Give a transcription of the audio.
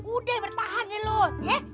udah bertahan nih lo ya